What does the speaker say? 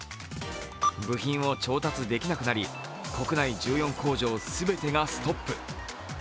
部品を調達できなくなり、国内１４工場全てがストップ。